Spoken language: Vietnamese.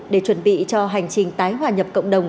để chuẩn bị cho hành trình tái hòa nhập cộng đồng